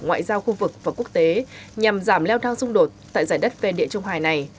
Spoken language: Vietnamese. ngoại giao khu vực và quốc tế nhằm giảm leo thang xung đột tại giải đất về địa trung hài này